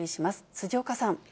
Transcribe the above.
辻岡さん。